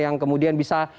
yang kemudian bisa dikawal